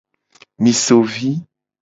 Mi so vi.